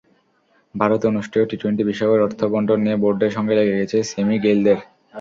ভারতে অনুষ্ঠেয় টি-টোয়েন্টি বিশ্বকাপের অর্থ বণ্টন নিয়ে বোর্ডের সঙ্গে লেগে গেছে স্যামি-গেইলদের।